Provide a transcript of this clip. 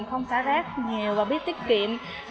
không xả rác nhiều và biết tiết kiệm